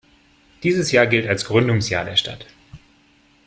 Dieses Jahr gilt als Gründungsjahr der Stadt.